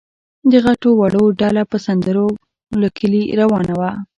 د غټو وړو ډله په سندرو له کلي روانه وه.